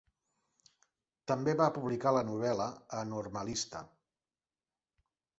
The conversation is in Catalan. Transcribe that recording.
També va publicar la novel·la "A Normalista".